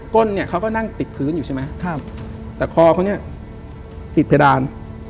้นเนี่ยเขาก็นั่งติดพื้นอยู่ใช่ไหมครับแต่คอเขาเนี่ยติดเพดาน